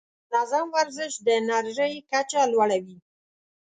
منظم ورزش د انرژۍ کچه لوړه وي.